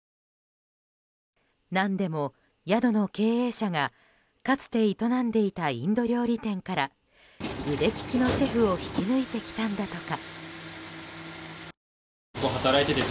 何でも宿の経営者がかつて営んでいたインド料理店から腕利きのシェフを引き抜いてきたんだとか。